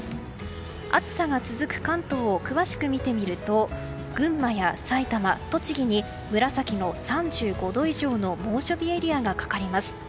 暑さが続く関東を詳しく見てみると群馬や埼玉、栃木に紫の３５度以上の猛暑日エリアがかかります。